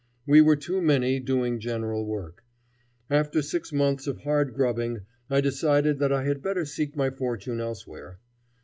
We were too many doing general work. After six months of hard grubbing I decided that I had better seek my fortune elsewhere.